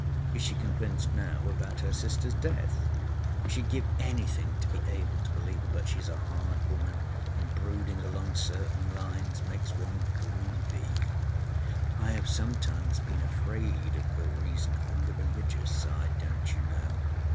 Is she convinced now about her sister's death?" "She'd give anything to be able to believe it, but she's a hard woman, and brooding along certain lines makes one groovy. I have sometimes been afraid of her reason—on the religious side, don't you know.